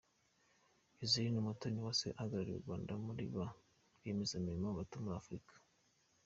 Joselyne Umutoniwase ahagarariye u Rwanda muri ba rwiyemezamirimo bato muri Afurika:.